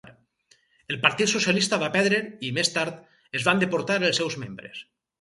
El partit socialista va perdre i, més tard, es van deportar els seus membres.